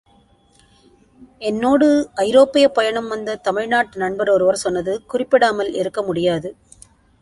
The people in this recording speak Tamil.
என்னோடு ஐரோப்பியப் பயணம் வந்த தமிழ் நாட்டு நண்பர் ஒருவர் சொன்னது குறிப்பிடாமல் இருக்க முடியாது.